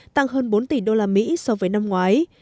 tăng hơn bốn tỷ đô la mỹ so với năm ngoái